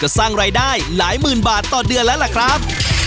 สร้างรายได้หลายหมื่นบาทต่อเดือนแล้วล่ะครับ